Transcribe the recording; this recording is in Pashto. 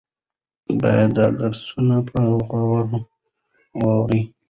باید دا درسونه په غور واورو.